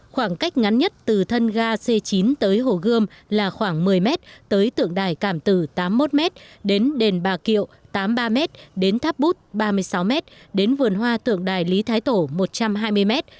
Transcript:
khoảng cách ngắn nhất từ thân ga c chín tới hồ gươm là khoảng một mươi m tới tượng đài cảm từ tám mươi một m đến đền bà kiệu tám mươi ba m đến tháp bút ba mươi sáu m đến vườn hoa tượng đài lý thái tổ một trăm hai mươi m